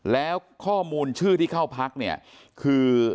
แล้วข้อมูลชื่อที่เข้าพักเนี่ยคือ